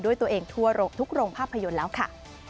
ด้วยตัวเองทั่วทุกโรงภาพยนตร์แล้วค่ะ